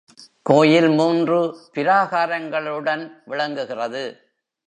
கோயில் மூன்று பிராகாரங்களுடன் விளங்குகிறது.